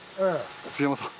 杉山さん。